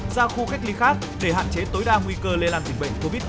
ra khu cách ly khác để hạn chế tối đa nguy cơ lây lan dịch bệnh covid một mươi chín